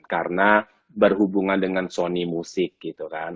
karena berhubungan dengan sony musik gitu kan